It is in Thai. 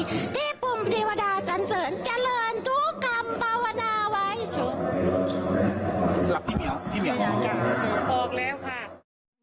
ที่ภูมิฤวาดาสันเสริญจรรย์เจอร์อันทุกข้ำปัโอนาไว้